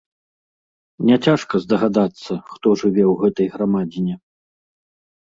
Няцяжка здагадацца, хто жыве ў гэтай грамадзіне.